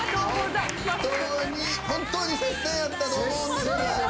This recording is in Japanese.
本当に接戦やったと思うんです。